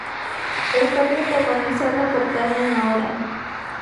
Está protagonizada por Carmen Maura.